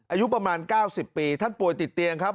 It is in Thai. อายุประมาณ๙๐ปีท่านป่วยติดเตียงครับ